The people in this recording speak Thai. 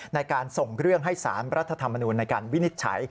ในการส่งเรื่องให้สารรัฐธรรมนูลในการวินิจฉัย